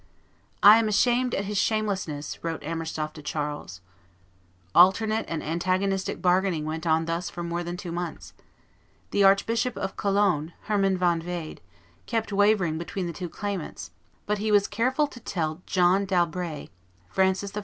"I am ashamed at his shamelessness," wrote Armerstorff to Charles. Alternate and antagonistic bargaining went on thus for more than two months. The Archbishop of Cologne, Hermann von Wied, kept wavering between the two claimants; but he was careful to tell John d'Albret, Francis I.